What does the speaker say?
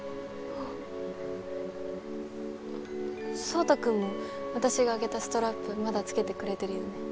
壮太君も私があげたストラップまだ付けてくれてるよね。